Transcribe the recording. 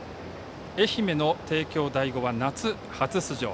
愛媛の帝京第五は夏初出場。